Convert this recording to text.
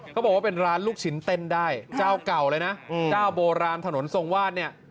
เขาบอกว่าเป็นร้านลูกชิ้นเต้นได้เจ้าเก่าเลยนะเจ้าโบราณถนนทรงวาดเนี่ย